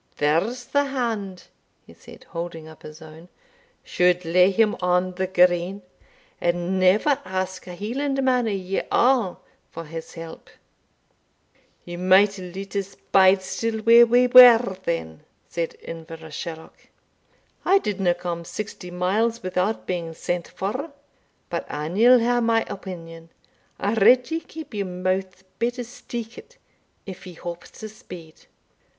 There's the hand," he said, holding up his own, "should lay him on the green, and never ask a Hielandman o' ye a' for his help." "Ye might hae loot us bide still where we were, then," said Inverashalloch. "I didna come sixty miles without being sent for. But an ye'll hae my opinion, I redd ye keep your mouth better steekit, if ye hope to speed.